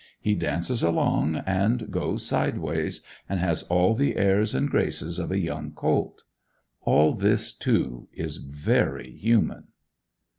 He dances along, and goes sideways, and has all the airs and graces of a young colt. All this, too, is very human.